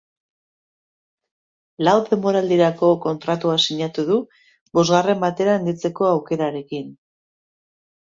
Lau denboraldirako kontratua sinatu du, bosgarren batera handitzeko aukerarekin.